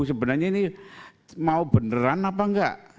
sebenarnya ini mau beneran apa enggak